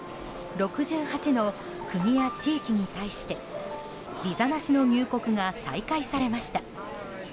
６８の国や地域に対してビザなしの入国が再開されました。